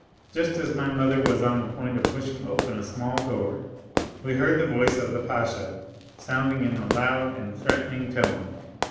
Just as my mother was on the point of pushing open a small door, we heard the voice of the pasha sounding in a loud and threatening tone.